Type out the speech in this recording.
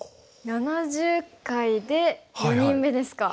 ７０回で４人目ですか。